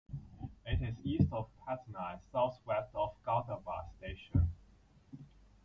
It is east of Patna and south-west of Gulzarbagh Station.